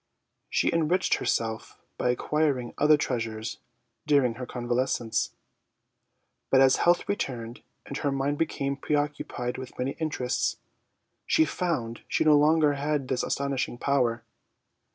She enriched herself by acquiring other treasures during her convalescence ; but as health returned, and her mind became preoccupied with many interests, she found she no longer had this astonishing power.